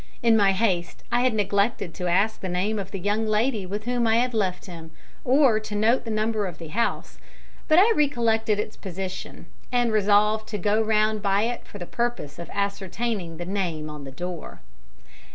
In my haste I had neglected to ask the name of the young lady with whom I had left him, or to note the number of the house; but I recollected its position, and resolved to go round by it for the purpose of ascertaining the name on the door.